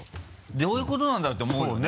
どういうことなんだろう？って思うよね。